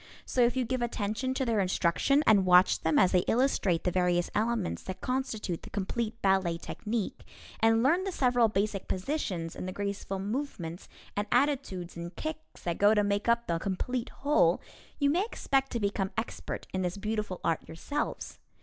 So if you give attention to their instruction and watch them as they illustrate the various elements that constitute the complete ballet technique, and learn the several basic positions and the graceful movements and attitudes and kicks that go to make up the complete whole, you may expect to become expert in this beautiful art yourselves.